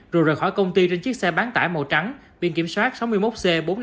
rồi rời khỏi công ty trên chiếc xe bán tải màu trắng biên kiểm soát sáu mươi một c bốn nghìn năm trăm linh